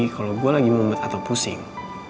kalau gue lagi mumet atau pusing